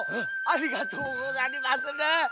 ありがとうござりまする。